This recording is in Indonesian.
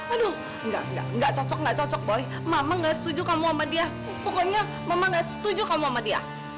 aduh ga ga ga cocok ga cocok boy mama ga setuju kamu sama dia pokoknya mama ga setuju kamu sama dia